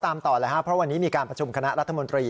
ต่อเลยครับเพราะวันนี้มีการประชุมคณะรัฐมนตรี